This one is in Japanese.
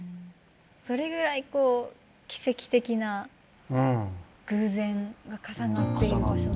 それぐらい奇跡的な偶然が重なっている場所ですよね。